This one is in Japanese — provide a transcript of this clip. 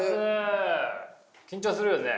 緊張するよね。